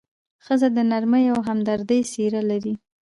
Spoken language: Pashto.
ښځه د نرمۍ او همدردۍ څېره لري.